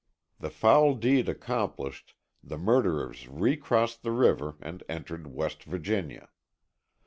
The foul deed accomplished, the murderers recrossed the river and entered West Virginia.